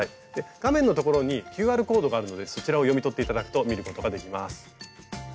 画面のところにＱＲコードがあるのでそちらを読み取って頂くと見ることができます。